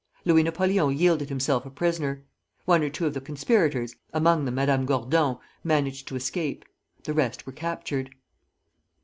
Louis Napoleon yielded himself a prisoner. One or two of the conspirators, among them Madame Gordon, managed to escape; the rest were captured.